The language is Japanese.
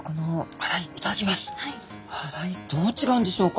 洗いどう違うんでしょうか？